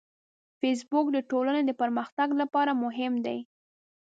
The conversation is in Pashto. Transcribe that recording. فېسبوک د ټولنې د پرمختګ لپاره مهم دی